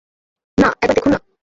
না, একবার দেখুন না।